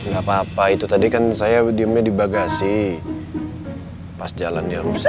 gak apa apa itu tadi kan saya diemnya di bagasi pas jalannya rusak